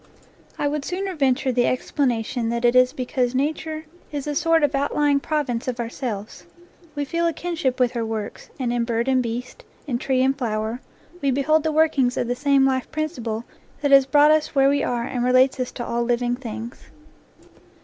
I would sooner venture the explanation that it is because nature is a sort of outlying province of ourselves. We feel a kinship with her works, and in bird and beast, in tree and flower, we behold the workings of the same life principle that has brought us where we are and relates us to all living things.